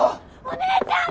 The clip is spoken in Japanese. お姉ちゃん！